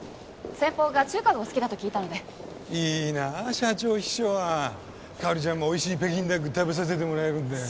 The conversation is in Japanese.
先方が中華がお好きだと聞いたのでいいなあ社長秘書はかほりちゃんもおいしい北京ダック食べさせてもらえるんだよ